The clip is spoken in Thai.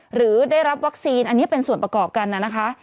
หรือได้รับวัคซีนอันนี้เป็นส่วนประกอบกันนะคะ